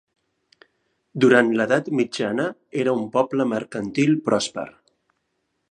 Durant l'edat mitjana era un poble mercantil pròsper.